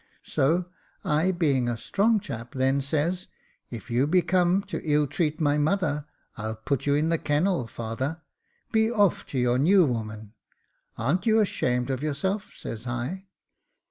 So, I being a strong chap, then says, ' If you be come to ill treat my mother, I'll put you in the kennel, father. Be off to your new woman. Ar'n't you ashamed of yourself ?' says I.